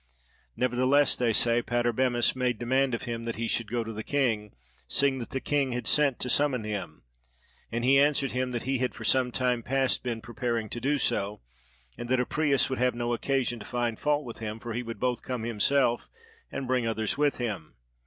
Nevertheless, they say, Patarbemis made demand of him that he should go to the king, seeing that the king had sent to summon him; and he answered him that he had for some time past been preparing to do so, and that Apries would have no occasion to find fault with him, for he would both come himself and bring others with him.